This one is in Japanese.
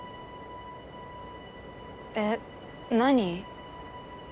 えっ何？